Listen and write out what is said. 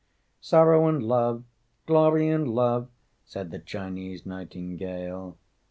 "Sorrow and love, glory and love," Said the Chinese nightingale.